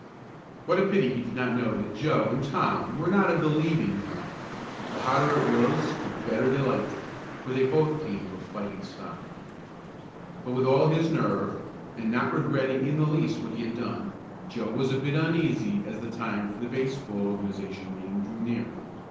What a pity he did not know that Joe and Tom were not of the "leaving" kind. The hotter it was the better they liked it, for they both came of fighting stock. But with all his nerve, and not regretting in the least what he had done, Joe was a bit uneasy as the time for the baseball organization meeting drew near.